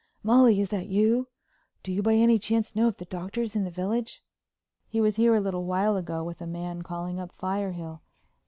"Molly, is that you? Do you by any chance know if the Doctor's in the village?" "He was here a little while ago with a man calling up Firehill.